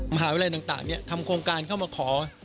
มหาวิทยาลัยต่างทำโครงการเข้ามาขอ